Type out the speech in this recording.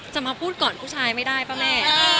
จะมาพูดก่อนผู้ชายไม่ได้ป่ะแม่